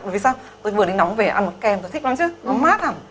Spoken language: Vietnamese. bởi vì sao tôi vừa đến nóng về ăn một kem tôi thích lắm chứ nó mát lắm